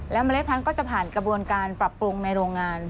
เมล็ดพันธุ์ก็จะผ่านกระบวนการปรับปรุงในโรงงาน